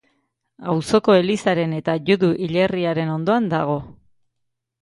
Auzoko elizaren eta judu hilerriaren ondoan dago